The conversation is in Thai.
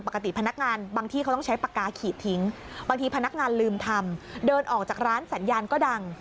พนักงานบางที่เขาต้องใช้ปากกาขีดทิ้งบางทีพนักงานลืมทำเดินออกจากร้านสัญญาณก็ดัง